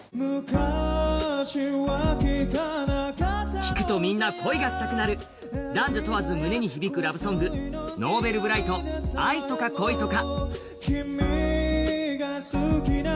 聴くとみんな恋がしたくなる男女問わず胸に響くラブソング、Ｎｏｖｅｌｂｒｉｇｈｔ、「愛とか恋とか」